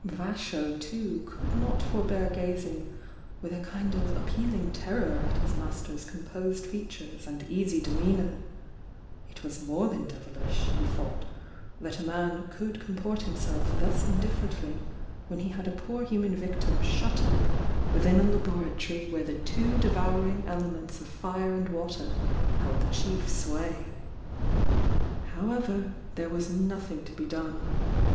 Vasho, too, could not forbear gazing with a kind of appealing terror at his mas ter's composed features and easy demeanour; it was more than devilish, he thought, that a man could comport himself thus indifferently when he had a poor human victim shut up within a laboratory SOS THE YOUNG DIANA II" i II r, ^V '■ i Bi i 1 . IB ^' IB ' mvr J k where the two devouring elements of fire and water held the chief sway. However, there was nothing to be done.